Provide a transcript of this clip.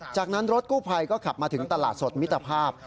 จากนั้นรถกู้ภัยก็ขับมาถึงตลาดสดมิตรภาพ